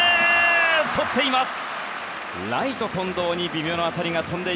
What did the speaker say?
とっています！